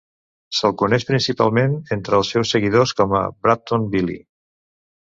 Se'l coneix, principalment entre els seus seguidors, com a "Braptom Billy".